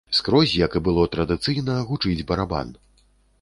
Скрозь, як і было традыцыйна, гучыць барабан.